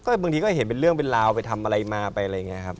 บางทีก็เห็นเป็นเรื่องเป็นราวไปทำอะไรมาไปอะไรอย่างนี้ครับ